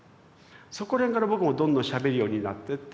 そこら辺から僕もどんどんしゃべるようになってって。